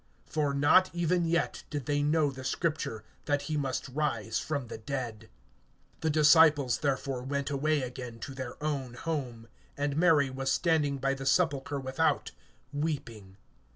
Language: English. (9)For not even yet did they know the scripture, that he must rise from the dead. (10)The disciples therefore went away again to their own home. (11)And Mary was standing by the sepulchre without, weeping.